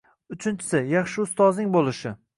Uchinchisi, yaxshi ustozing boʻlishi.